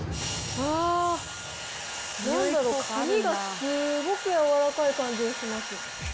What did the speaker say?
なんだろう、髪がすごく柔らかい感じがします。